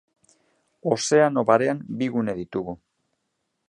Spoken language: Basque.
Ozeano Barean bi gune ditugu.